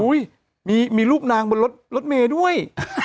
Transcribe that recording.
มีรูปนางบนรถเมย์ด้วย